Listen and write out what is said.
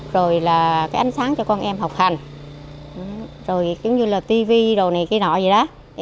rồi là cái ánh sáng cho con em học hành rồi kiểu như là tivi đồ này cái nọ vậy đó